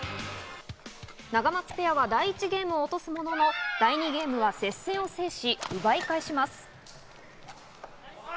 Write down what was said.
ナガマツペアは第１ゲームを落とすものの、第２ゲームは接戦を制し、奪い返します。